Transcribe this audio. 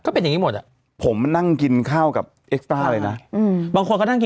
บอกว่าบอกให้พวกตัวประกอบฆาตัวแบบร้อยห้าสิบสามร้อยหยุดหูปากหรือไง